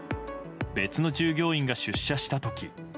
別の従業員が出社した時。